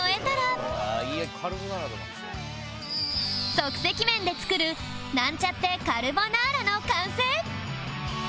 即席麺で作るなんちゃってカルボナーラの完成